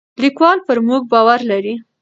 لیکوال پر موږ باور لري.